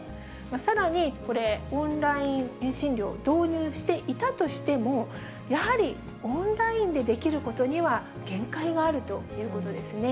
さらに、これオンライン診療、導入していたとしても、やはりオンラインでできることには限界があるということですね。